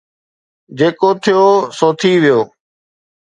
جيڪو ٿيو سو ٿي ويو